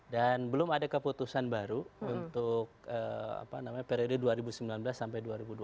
belum ada keputusan baru untuk periode dua ribu sembilan belas sampai dua ribu dua puluh